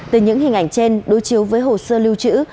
từ những hình ảnh trên đối chiếu với hồ sơ lưu trữ